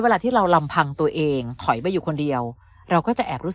เวลาที่เราลำพังตัวเองถอยไปอยู่คนเดียวเราก็จะแอบรู้สึก